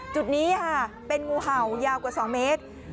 จุดนี้ค่ะเป็นงูเห่ายาวกว่า๒เมตร